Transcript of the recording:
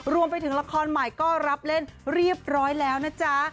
รวมไปถึงละครใหม่ก็รับเล่นเรียบร้อยแล้วนะจ๊ะ